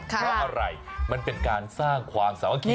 เพราะอะไรมันเป็นการสร้างความสามัคคี